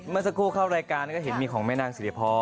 เมื่อสักครู่เข้ารายการก็เห็นมีของแม่นางสิริพร